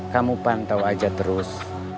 kamu pantau aja terus